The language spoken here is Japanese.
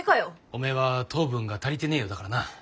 おめえは糖分が足りてねえようだからな。